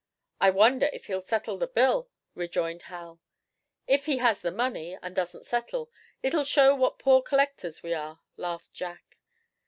"I wonder if he'll settle the bill!" rejoined Hal. "If he has the money, and doesn't settle, it'll show what poor collectors we are," laughed Jack.